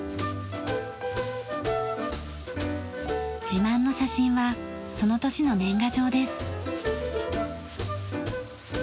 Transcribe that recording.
自慢の写真はその年の年賀状です。